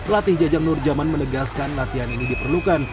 latih jajang nurjaman menegaskan latihan ini diperlukan